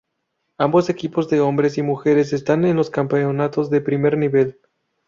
Ambos equipos de hombres y mujeres están en los campeonatos de primer nivel.